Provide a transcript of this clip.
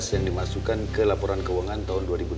yang dimasukkan ke laporan keuangan tahun dua ribu dua puluh